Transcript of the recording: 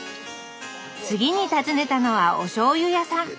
次に訪ねたのはおしょうゆ屋さん。